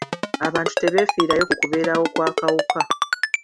Abantu tebeefiirayo ku kubeerawo kw'akawuka.